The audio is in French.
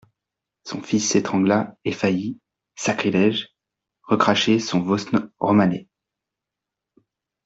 Son fils s’étrangla et faillit, sacrilège, recracher son Vosne-Romanée.